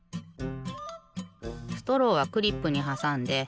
ストローはクリップにはさんで。